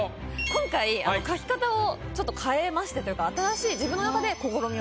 今回描き方をちょっと変えましてというか。